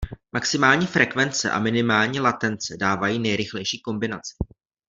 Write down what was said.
Maximální frekvence a minimální latence dávají nejrychlejší kombinaci.